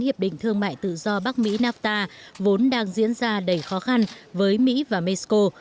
hiệp định thương mại tự do bắc mỹ nafta vốn đang diễn ra đầy khó khăn với mỹ và mexico